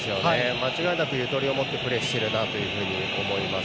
間違いなく、ゆとりを持ってプレーしていると思います。